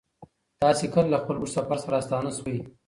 تاسې کله له خپل اوږد سفر څخه راستانه سوئ؟